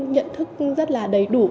nhận thức rất là đầy đủ